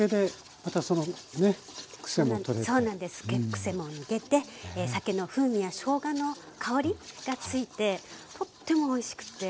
クセも抜けて酒の風味やしょうがの香りがついてとってもおいしくって。